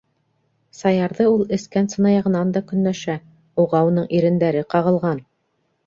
Саярҙы ул эскән сынаяғынан да көнләшә: уға уның ирендәре ҡағылған.